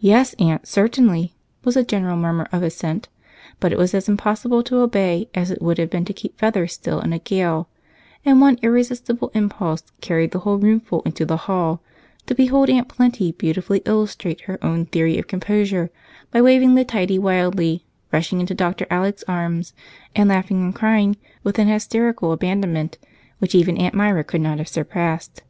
"Yes, Aunt, certainly," was the general murmur of assent, but it was as impossible to obey as it would have been to keep feathers still in a gale, and one irresistible impulse carried the whole roomful into the hall to behold Aunt Plenty beautifully illustrating her own theory of composure by waving the tidy wildly, rushing into Dr. Alec's arms, and laughing and crying with a hysterical abandonment which even Aunt Myra could not have surpassed.